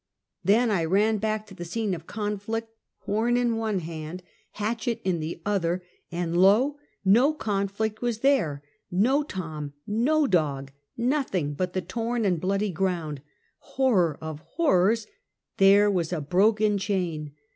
Then I ran back to the scene of conflict, horn in one hand, hatchet in the other, and lo! no conflict was there. Ko Tom! no dog! nothing but the torn and bloody ground. Horror of horrors, there was a broken chain!